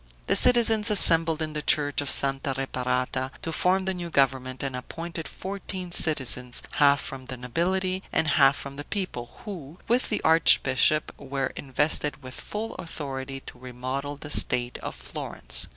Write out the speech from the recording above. The citizens assembled in the church of Santa Reparata, to form the new government, and appointed fourteen citizens, half from the nobility and half from the people, who, with the archbishop, were invested with full authority to remodel the state of Florence.